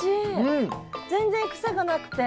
全然癖がなくて。